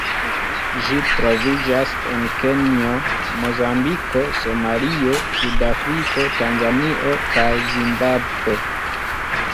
Ĝi troviĝas en Kenjo, Mozambiko, Somalio, Sudafriko, Tanzanio kaj Zimbabvo.